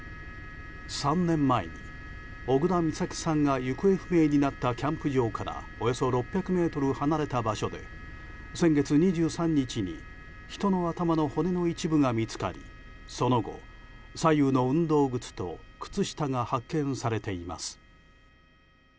３年前に小倉美咲さんが行方不明になったキャンプ場からおよそ６００ｍ離れた場所で先月２３日に人の頭の骨の一部が見つかりその後、左右の運動靴と靴下が発見されています。